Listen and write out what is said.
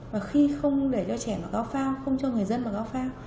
và khi không để cho trẻ mà cáo phao không cho người dân mà cáo phao